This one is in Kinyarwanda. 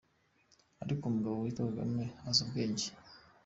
Ariko Umugabo Witwa Kagame azi ubwenge!.